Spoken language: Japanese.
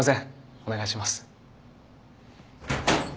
お願いします。